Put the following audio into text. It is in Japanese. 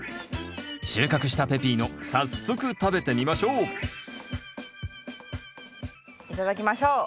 収穫したペピーノ早速食べてみましょう頂きましょう。